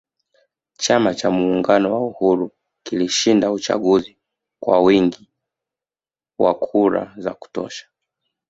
Chama cha muungano wa uhuru kilishinda uchaguzi kwa wingi wa kura za kutosha